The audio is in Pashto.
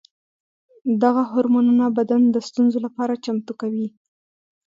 دغه هورمونونه بدن د ستونزو لپاره چمتو کوي.